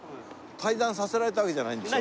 退団させられたわけじゃないんでしょ？